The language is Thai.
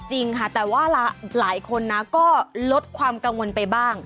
จริงค่ะแต่ว่าหลายคนนะก็ลดความกังวลไปบ้าง